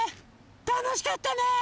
たのしかったね。